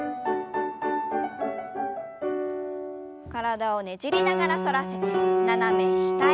体をねじりながら反らせて斜め下へ。